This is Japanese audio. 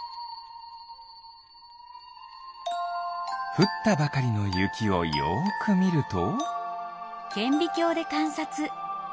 ふったばかりのゆきをよくみると。